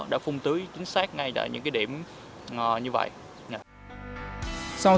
đã phung tưới chính xác ngay tại những cái điểm như vậy